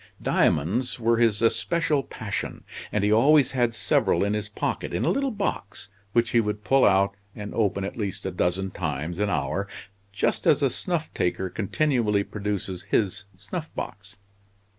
Diamonds were his especial passion, and he always had several in his pocket, in a little box which he would pull out and open at least a dozen times an hour, just as a snuff taker continually produces his snuffbox.